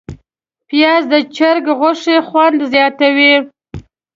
پیاز د چرګ غوښې خوند زیاتوي